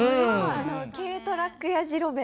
軽トラックやじろべえ？